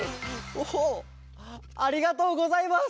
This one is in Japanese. ありがとうございます！